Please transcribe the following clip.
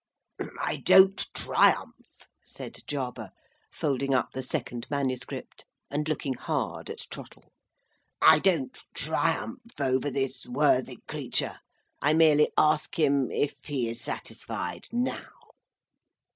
"I don't triumph," said Jarber, folding up the second manuscript, and looking hard at Trottle. "I don't triumph over this worthy creature. I merely ask him if he is satisfied now?"